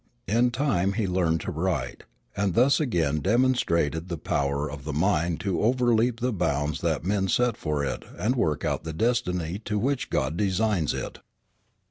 In time he learned to write, and thus again demonstrated the power of the mind to overleap the bounds that men set for it and work out the destiny to which God designs it.